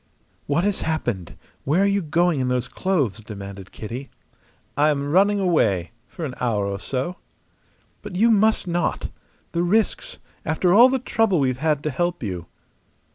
"What has happened? Where are you going in those clothes?" demanded Kitty. "I am running away for an hour or so." "But you must not! The risks after all the trouble we've had to help you!"